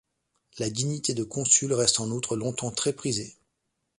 La dignité de consul reste en outre longtemps très prisée.